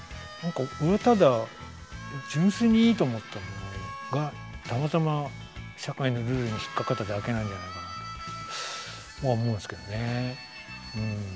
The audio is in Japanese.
俺はただ純粋にいいと思ったものがたまたま社会のルールに引っ掛かっただけなんじゃないかとは思うんすけどねうん。